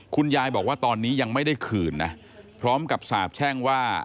คุณยายบอกว่าตอนนี้ยังไม่ได้คืนนะพร้อมกับสาบแช่งว่า